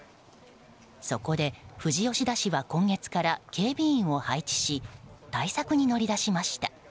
そこで富士吉田市は今月から警備員を配置し対策に乗り出しました。